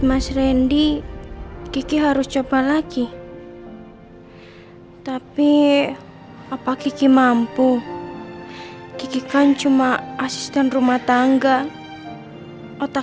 mas randy kiki harus coba lagi tapi apa kiki mampu kikikan cuma asisten rumah tangga otak